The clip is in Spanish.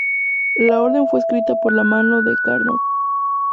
La orden fue escrita por la mano de Carnot.